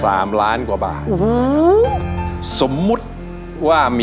สามล้านกว่าบาท